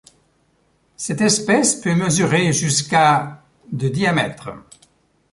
Cette espèce peut mesurer jusqu'à de diamètre.